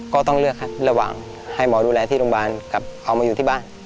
ก็ต้องเลือกครับระหว่างให้หมอดูแลที่โรงพยาบาลกับเอามาอยู่ที่บ้าน